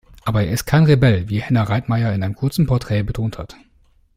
Aber er ist kein Rebell, wie Henner Reitmeier in einem kurzen Porträt betont hat.